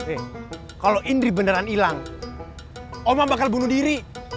eh kalau indri beneran hilang oma bakal bunuh diri